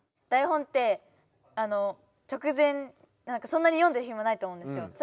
台本って直前そんなに読んでるヒマないと思うんですよ。